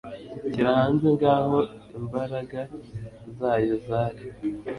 Shyira hanze Ngaho imbaraga zayo zari